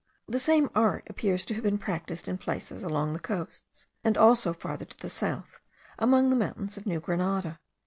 The same art appears to have been practised in places along the coasts, and also farther to the south, among the mountains of New Grenada.)